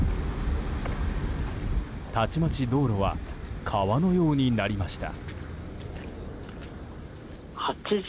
たちまち道路は川のようになりました。